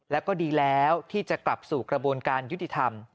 แล้วก็ดีแล้วที่จะกลับสู่กระบวนการยุติธรรม